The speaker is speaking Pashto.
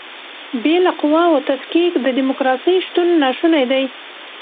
بې له قواوو تفکیک د دیموکراسۍ شتون ناشونی دی.